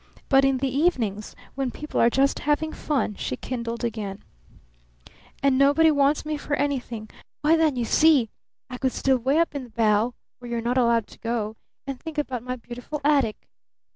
But in the evenings when people are just having fun," she kindled again, "and nobody wants me for anything, why, then you see I could steal 'way up in the bow where you're not allowed to go and think about my beautiful attic.